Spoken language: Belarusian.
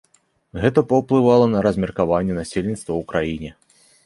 Гэта паўплывала на размеркаванне насельніцтва ў краіне.